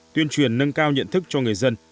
tuyên truyền nâng cao nhận thức cho người dân